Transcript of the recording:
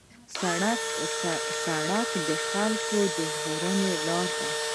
سړک د خلکو د ژغورنې لار ده.